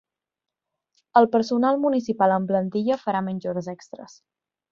El personal municipal en plantilla farà menys hores extres.